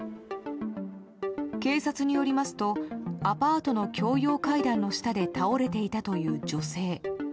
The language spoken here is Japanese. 警察によりますとアパートの共用階段の下で倒れていたという女性。